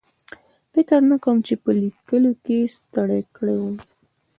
فکر نه کوم چې په لیکلو کې ستړی کړی وي.